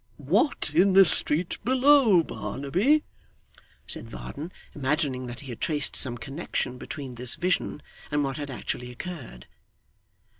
'What in the street below, Barnaby?' said Varden, imagining that he traced some connection between this vision and what had actually occurred.